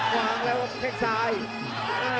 วางแล้วแค่ข้างซ้าย